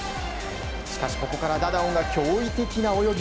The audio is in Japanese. しかしここからダダオンが驚異的な泳ぎ。